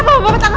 kamu kami tangkap